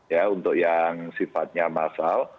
ya untuk yang sifatnya massal